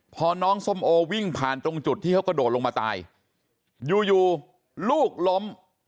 พอน้องส้มโอวิ่งผ่านตรงจุดที่เขากระโดดลงมาตายอยู่อยู่ลูกล้ม